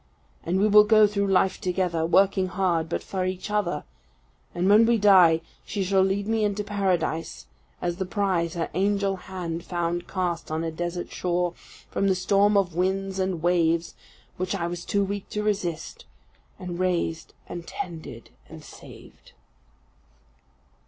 And we will go through life together, working hard, but for each other; and when we die, she shall lead me into paradise as the prize her angel hand found cast on a desert shore, from the storm of winds and waves which I was too weak to resist and raised, and tended, and saved."